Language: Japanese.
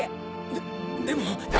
ででも。